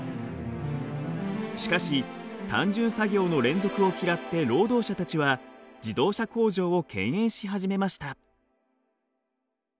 しかし単純作業の連続を嫌って労働者たちは自動車工場を敬遠し始めました。